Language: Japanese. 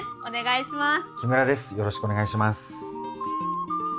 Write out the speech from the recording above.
お願いします。